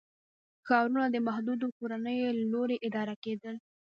ښارونه د محدودو کورنیو له لوري اداره کېدل.